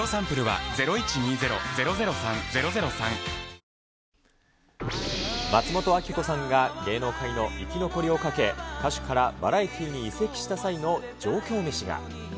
過去最大の補助金も松本明子さんが芸能界の生き残りをかけ、歌手からバラエティーに移籍した際の上京メシが。